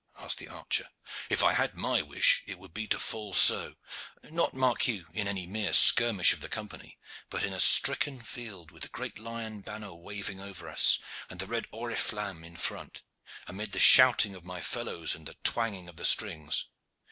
asked the archer. "If I had my wish, it would be to fall so not, mark you, in any mere skirmish of the Company, but in a stricken field, with the great lion banner waving over us and the red oriflamme in front, amid the shouting of my fellows and the twanging of the strings.